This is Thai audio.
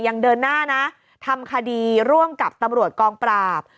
ยังเดินหน้านะทำคดีร่วมกับตำรวจกองปราบ